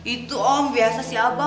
itu om biasa si abah